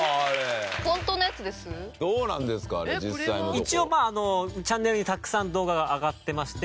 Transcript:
一応まあチャンネルにたくさん動画が上がってまして。